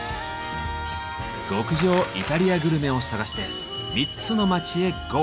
極上イタリアグルメを探して３つの街へＧＯ！